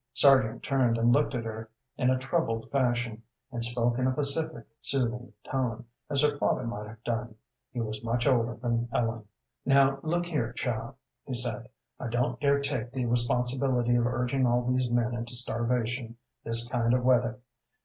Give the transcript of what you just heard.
Sargent turned and looked at her in a troubled fashion, and spoke in a pacific, soothing tone, as her father might have done. He was much older than Ellen. "Now look here, child," he said, "I don't dare take the responsibility of urging all these men into starvation this kind of weather.